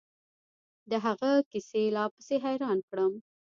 د هغه کيسې لا پسې حيران کړم.